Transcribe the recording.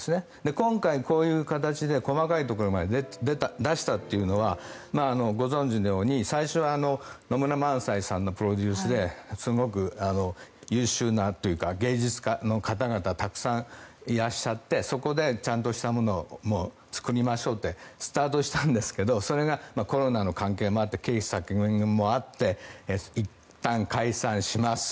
今回こういう形で細かいところまで出したというのはご存じのように最初は野村萬斎さんのプロデュースですごく優秀なというか芸術家の方々がたくさんいらっしゃってそこでちゃんとしたものを作りましょうってスタートしたんですけどそれがコロナの関係もあって経費削減もあっていったん、解散します